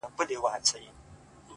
خالقه د آسمان په کناره کي سره ناست وو!